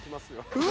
うわ！